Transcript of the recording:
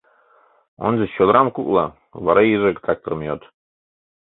— Ончыч чодырам кукло, вара иже тракторым йод.